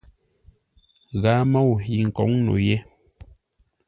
Ghaa môu yi n nkǒŋ no yé.